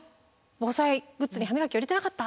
防災グッズに歯磨きを入れてなかった。